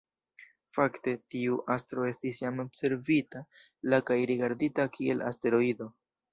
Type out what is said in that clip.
Fakte, tiu astro estis jam observita la kaj rigardita kiel asteroido.